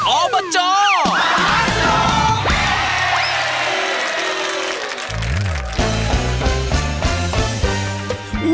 ออบจมหาสนุก